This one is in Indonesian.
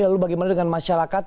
lalu bagaimana dengan masyarakat